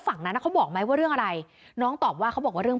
ฝั่งนั้นเขาบอกไหมว่าเรื่องอะไรน้องตอบว่าเขาบอกว่าเรื่อง